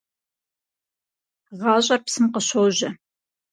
ГъащӀэр псым къыщожьэ.